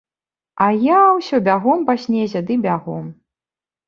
А я ўсё бягом па снезе ды бягом.